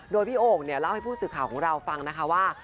โดยพี่โอ่งเนี่ยเล่าให้ผู้สื่อข่าวของเราฟังนะคะว่า